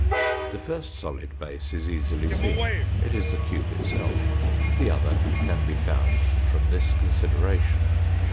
The first solid base is easily seen, it is the cube itself. The other can be found from this consideration.